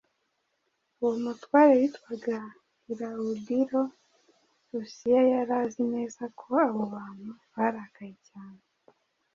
Uwo mutware witwaga Kilawudiyo Lusiya yari azi neza ko abo bantu barakaye cyane